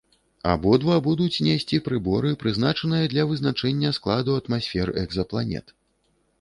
Абодва будуць несці прыборы, прызначаныя для вызначэння складу атмасфер экзапланет.